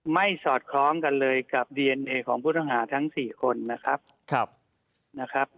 ไม่สอดคล้องกันเลยกับดีเอนเนย์ของผู้ต้องหาทั้ง๔คนนะครับ